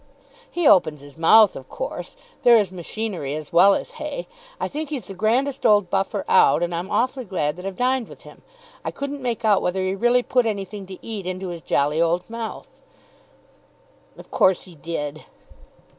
"He opens his mouth, of course. There is machinery as well as hay. I think he's the grandest old buffer out, and I'm awfully glad that I've dined with him. I couldn't make out whether he really put anything to eat into his jolly old mouth." "Of course he did."